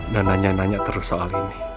dan nanya nanya terus soal ini